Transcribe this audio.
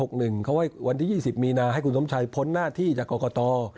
เขาว่าวันที่๒๐มีนาให้คุณสมชัยพ้นหน้าที่จากกรกต